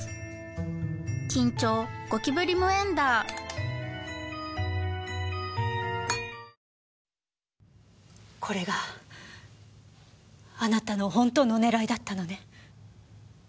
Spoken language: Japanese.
ニトリこれがあなたの本当の狙いだったのね？